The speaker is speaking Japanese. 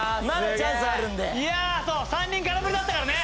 いやそう３人空振りだったからね。